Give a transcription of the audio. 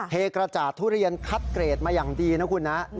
เทกระจาดทุเรียนคัดเกรดมาอย่างดีนะคุณนะ